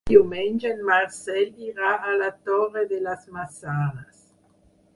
Diumenge en Marcel irà a la Torre de les Maçanes.